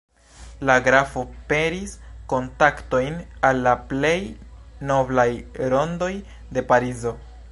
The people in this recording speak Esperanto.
La grafo peris kontaktojn al la plej noblaj rondoj de Parizo.